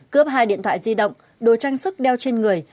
cướp hai điện thoại di động đồ trang sức đeo trên người